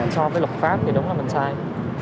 so với luật pháp thì đúng là mình sai